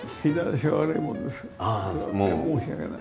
申し訳ない。